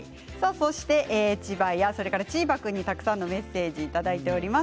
千葉やチーバくんにたくさんのメッセージをいただいています。